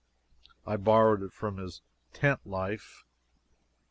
I borrowed it from his "Tent Life."